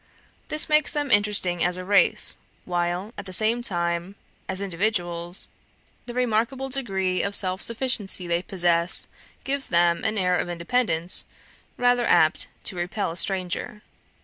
This makes them interesting as a race; while, at the same time, as individuals, the remarkable degree of self sufficiency they possess gives them an air of independence rather apt to repel a stranger.